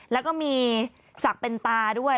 แล้วก็มีศักดิ์เป็นตาด้วย